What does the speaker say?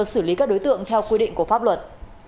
xử lý các đối tượng theo quy định của pháp luật